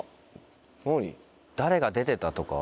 誰が出てたとか？